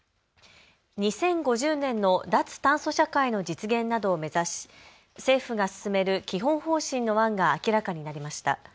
２０５０年の脱炭素社会の実現などを目指し政府が進める基本方針の案が明らかになりました。